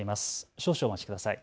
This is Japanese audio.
少々、お待ちください。